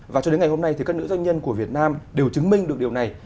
và cho đến ngày hôm nay thì các nữ doanh nhân của việt nam đều chứng minh được điều này